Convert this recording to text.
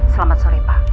selamat sore pak